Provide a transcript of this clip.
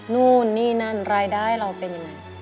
นู่นนี่นั่นรายได้เราเป็นยังไง